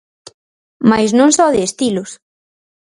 Mais non só de estilos.